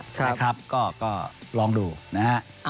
นะครับก็ลองดูนะฮะ